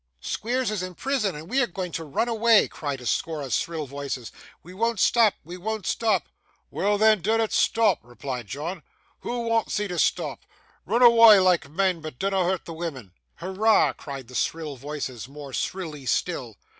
'Squeers is in prison, and we are going to run away!' cried a score of shrill voices. 'We won't stop, we won't stop!' 'Weel then, dinnot stop,' replied John; 'who waants thee to stop? Roon awa' loike men, but dinnot hurt the women.' 'Hurrah!' cried the shrill voices, more shrilly still.